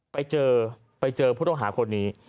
ไปเจอไปเจอผู้ต้องหาคนนี้